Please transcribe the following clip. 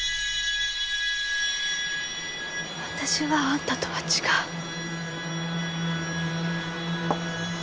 私はあんたとは違う。